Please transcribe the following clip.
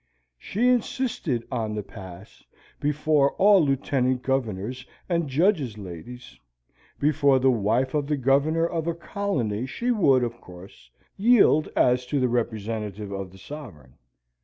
She insisted on the pas before all Lieutenant Governors' and Judges' ladies; before the wife of the Governor of a colony she would, of course, yield as to the representative of the Sovereign.